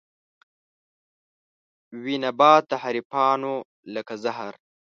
وي نبات د حريفانو لکه زهر